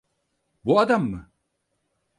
Bu adam mı?